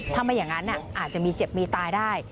ถ้าไม่อย่างนั้นอาจจะมีเจ็บมีตายได้